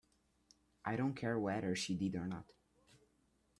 I don't care whether she did or not.